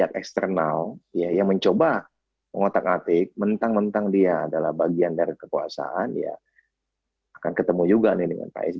ketua majelis tinggi partai demokrat tidak akan terjadi